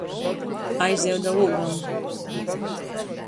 Aizeju da lūgam.